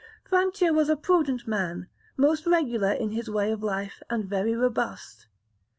Francia was a prudent man, most regular in his way of life, and very robust.